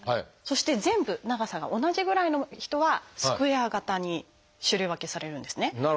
そして全部長さが同じぐらいの人は「スクエア型」に種類分けされるんですね。